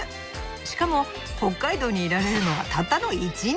しかも北海道にいられるのはたったの１日！